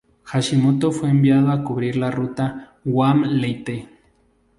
Hashimoto fue enviado a cubrir la ruta Guam-Leyte.